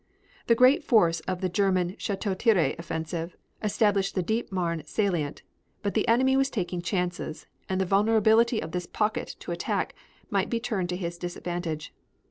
The great force of the German Chateau Thierry offensive established the deep Marne salient, but the enemy was taking chances, and the vulnerability of this pocket to attack might be turned to his disadvantage.